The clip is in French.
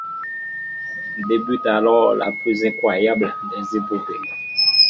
Débute alors la plus incroyable des épopées.